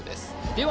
では